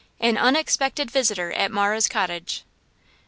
AN UNEXPECTED VISITOR AT MARAH'S COTTAGE.